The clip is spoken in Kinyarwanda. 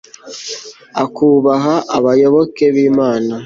akubaha abayoboke b'imana